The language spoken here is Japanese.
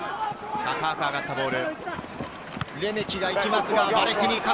高く上がったボール。